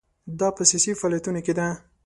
دا په سیاسي فعالیتونو کې ده.